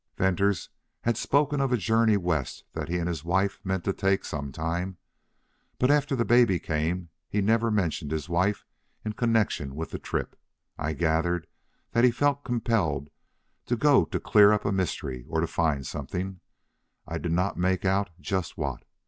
"Venters had spoken of a journey west that he and his wife meant to take some time. But after the baby came he never mentioned his wife in connection with the trip. I gathered that he felt compelled to go to clear up a mystery or to find something I did not make out just what.